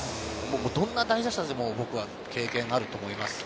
どんな大打者でも僕は経験があると思います。